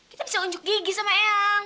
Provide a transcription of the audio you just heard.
kita bisa unjuk gigi sama eyang